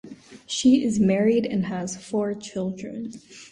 She is married and has four children.